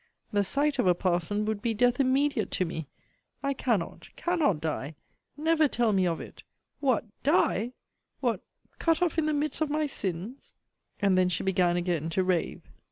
The sight of a parson would be death immediate to me! I cannot, cannot die! Never tell me of it! What! die! What! cut off in the midst of my sins! And then she began again to rave.